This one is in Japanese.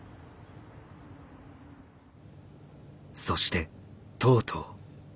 そしてとうとう。